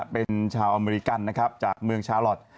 เป็นชาวอเมริกันนะครับจากเมืองชาลอท